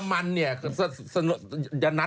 ฟันทง